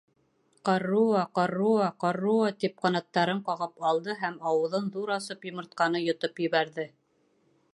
«Ҡарруо, ҡарруо, ҡарруо» тип ҡанаттарын ҡағып алды һәм ауыҙын ҙур асып йомортҡаны йотоп ебәрҙе.